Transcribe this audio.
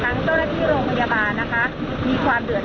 จะเห็นได้ว่าระดับมักที่ฉันยืนอยู่นี่นะคะสูงกว่าหนึ่งเมตรเลยทีเดียว